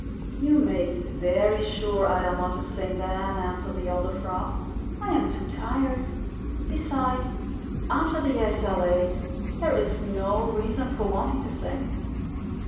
"You may be very sure I don't want to sing then," answered the older Frog. "I am too tired. Besides, after the eggs are laid, there is no reason for wanting to sing."